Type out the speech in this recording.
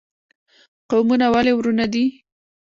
قومونه ولې ورونه دي؟